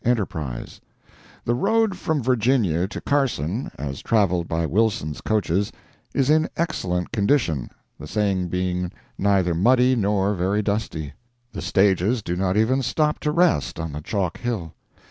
ENTERPRISE: The road from Virginia to Carson—as traveled by Wilson's coaches—is in excellent condition, the same being neither muddy nor very dusty. The stages do not even stop to rest on the chalk hill.